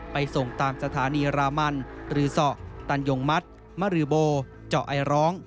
ไปส่งตามสถานีรามันฤษตันยงมัธมริโบเจ้าไอร้อง